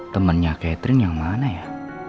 temennya catherine yang mana ya